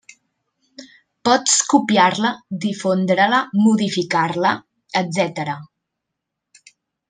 Pots copiar-la, difondre-la, modificar-la, etcètera.